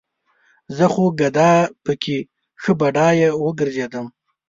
زه خو ګدايه پکې ښه بډايه وګرځېدم